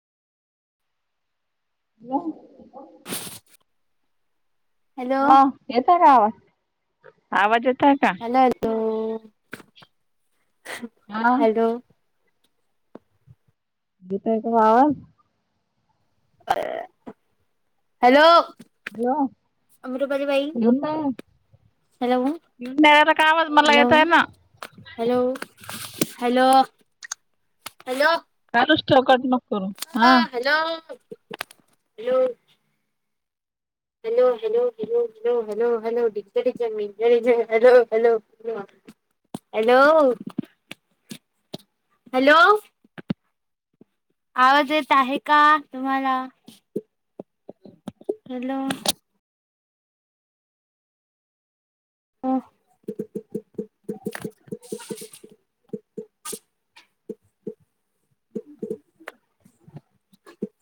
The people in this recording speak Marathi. [inaudible] हॅलो म येतय का आवाज, आवाज येतय का? [unintelligible] हा हॅलो. येतंय का आवाज? अ हॅलो. हॅलो. अमृपाली बाई [inaudible] हॅलो येऊन राहिला का आवाज, मला हॅलो येतंय ना. Hello hello hello hello. त्यातच ठोकायचं मग. ह hello hello. Hello hello hello hello hello hello, डिच्या डिचँग डिच्या डिचँग. Hello hello. [unintelligible] हॅलो. हॅलो. आवाज येत आहे का तुम्हाला? म्हंटलं हं. [inaudible] [inaudible]